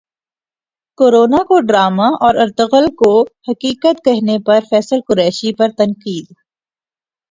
corona کو drama اور Ertugrul کو حقیقت کہنے پر فیصل قریشی پر تنقید